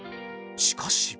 しかし。